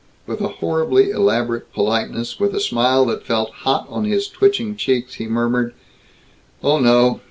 With a horribly elaborate politeness, with a smile that felt hot on his twitching cheeks, he murmured, "Oh no.